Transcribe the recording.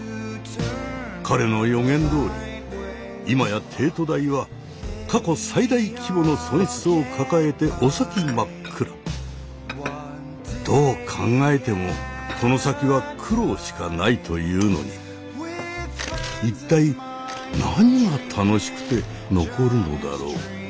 彼の予言どおり今や帝都大は過去最大規模の損失を抱えてお先真っ暗どう考えてもこの先は苦労しかないというのに一体何が楽しくて残るのだろう。